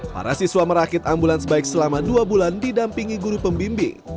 para siswa merakit ambulans bike selama dua bulan didampingi guru pembimbing